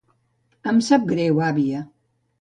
Em sap greu, àvia.